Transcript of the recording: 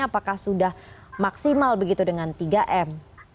apakah sudah maksimal begitu dengan tiga m